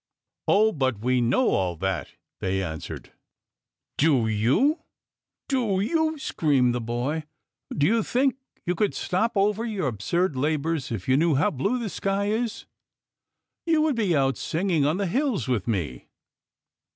" Oh ! but we know all that," they answered. " Do you ! Do you !" screamed the boy. " Do you think you could stop over your absurd labours if you knew how blue the sky is ? You would be out singing on the hills with me